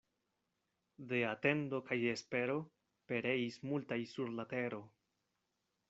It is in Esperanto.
De atendo kaj espero pereis multaj sur la tero.